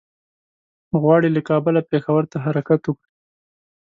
غواړي له کابله پېښور ته حرکت وکړي.